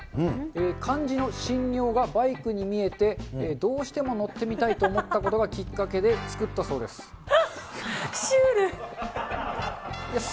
漢字のしんにょうがバイクに見えて、どうしても乗ってみたいと思ったことがきっかけで作ったそうです。